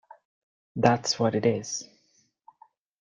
That's what it is.